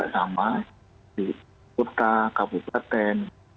sama di kota kabupaten